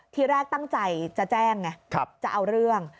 ทีแรกตั้งใจจะแจ้งไงจะเอาเรื่อง